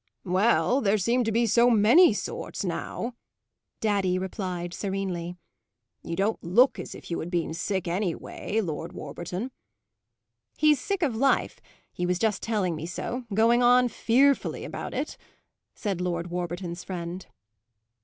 "Well, there seem to be so many sorts now," daddy replied, serenely. "You don't look as if you had been sick, anyway, Lord Warburton." "He's sick of life; he was just telling me so; going on fearfully about it," said Lord Warburton's friend.